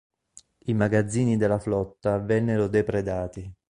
I magazzini della flotta vennero depredati.